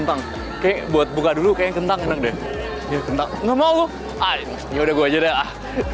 oke buat buka dulu kayaknya kentang enak deh ya kentang enggak mau lu ya udah gua aja deh